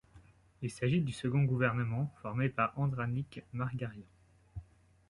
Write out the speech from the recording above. Il s'agit du second gouvernement formé par Andranik Margarian.